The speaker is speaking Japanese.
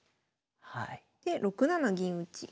で６七銀打。